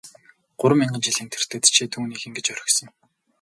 Гурван мянган жилийн тэртээд чи түүнийг ингэж орхисон.